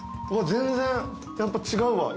全然やっぱ違うわ色が。